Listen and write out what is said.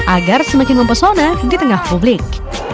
agar semakin mempesona di tengah publik